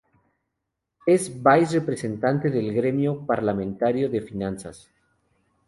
Es vice representante del gremio parlamentario de finanzas.